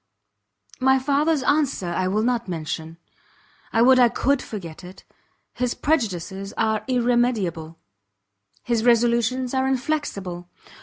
My father's answer I will not mention; I would I could forget it! his prejudices are irremediable, his resolutions are inflexible.